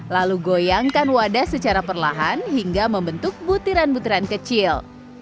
lalu goyangkan wadah secara perlahan hingga membentuk butiran butiran kecil